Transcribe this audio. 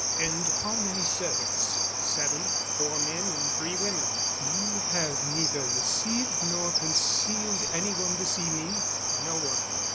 "And how many servants?" "Seven four men and three women." "You have neither received nor concealed anyone this evening?" "No one."